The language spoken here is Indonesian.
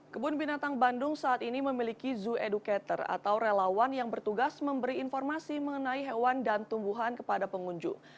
kebun binatang bandung saat ini memiliki zoo educator atau relawan yang bertugas memberi informasi mengenai hewan dan tumbuhan kepada pengunjung